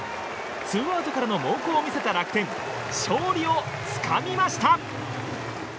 ツーアウトからの猛攻を見せた楽天勝利をつかみました！